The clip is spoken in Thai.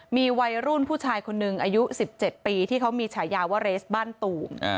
มีวัยรุ่นผู้ชายคนหนึ่งอายุ๑๗ปีที่เขามีฉายาว่าเรสบ้านตูม